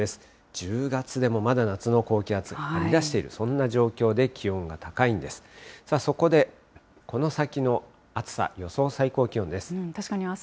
１０月でもまだ夏の高気圧張り出している、そんな状況で気温が高いんです。